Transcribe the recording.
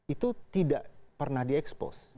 itu tidak pernah diekspos